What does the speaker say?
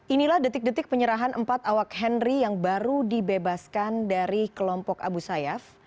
inilah detik detik penyerahan empat awak henry yang baru dibebaskan dari kelompok abu sayyaf